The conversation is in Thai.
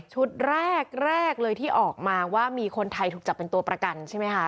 ชุดแรกเลยที่ออกมาว่ามีคนไทยถูกจับเป็นตัวประกันใช่ไหมคะ